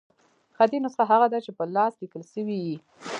خطي نسخه هغه ده، چي په لاس ليکل سوې يي.